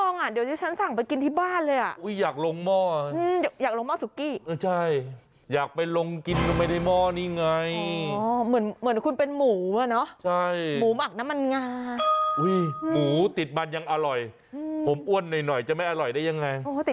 น่ากินมากจริงจริง